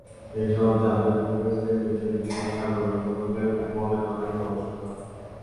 এসব চাঁদের ভূপৃষ্ঠের নিচে বিশাল সাগর রয়েছে বলে মনে করেন গবেষকেরা।